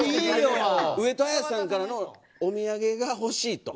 上戸彩さんからのお土産がほしいと。